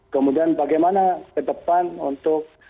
kemudian bagaimana ke depan untuk